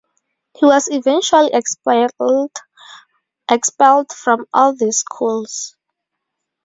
He was eventually expelled from all these schools.